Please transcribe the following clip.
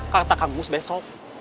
kata kang gus besok